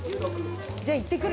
じゃあ行ってくるね。